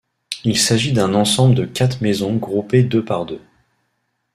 Il s'agit d'un ensemble de quatre maisons groupées deux par deux.